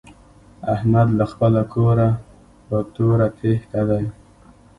احمد له خپله کوره په توره تېښته دی.